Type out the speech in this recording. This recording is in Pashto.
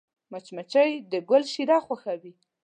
مچمچۍ د ګل شیره خوښوي